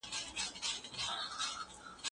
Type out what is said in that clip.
تاسو بايد د خپلي ټولني په کيسو پوه سئ.